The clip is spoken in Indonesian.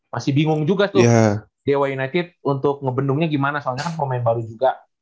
masih bingung juga tuh dewa united untuk ngebendungnya gimana soalnya kan pemain baru juga